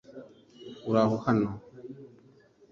uhora hano